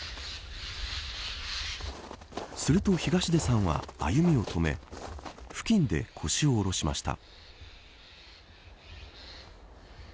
すると、東出さんは歩みを止め付近で腰を下ろしました。